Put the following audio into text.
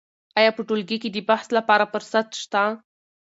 آیا په ټولګي کې د بحث لپاره فرصت شته؟